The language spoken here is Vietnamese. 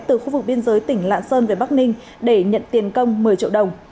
từ khu vực biên giới tỉnh lạng sơn về bắc ninh để nhận tiền công một mươi triệu đồng